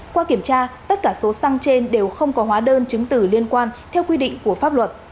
qua kiểm tra tất cả số xăng trên đều không có hóa đơn chứng tử liên quan theo quy định của pháp luật